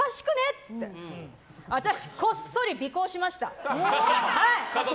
っつって私こっそり尾行しました。